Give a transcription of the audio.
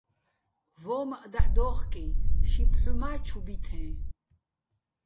ვო́მაჸ დაჰ̦ დო́ხკიჼ, ში ფჰ̦უ მა́ ჩუ ბითეჼ,